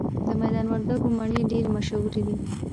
د میدان وردګو مڼې ډیرې مشهورې دي